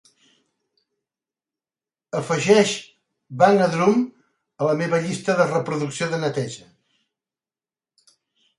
Afegeix "Bang a Drum" a la meva llista de reproducció de neteja.